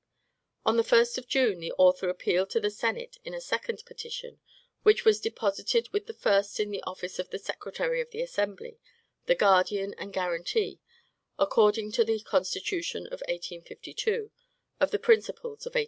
On the first of June, the author appealed to the Senate in a second "Petition," which was deposited with the first in the office of the Secretary of the Assembly, the guardian and guarantee, according to the constitution of 1852, of the principles of '89.